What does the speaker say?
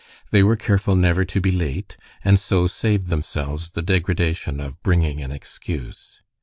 They were careful never to be late, and so saved themselves the degradation of bringing an excuse.